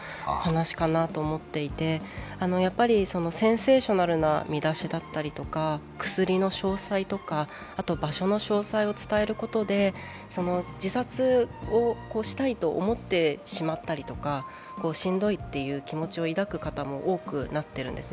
やはりセンセーショナルな見出しだったりとか、薬の詳細とか、場所の詳細を伝えることで、自殺をしたいと思ってしまったりとか、しんどいっていう気持ちを抱く方も多くなっているんです。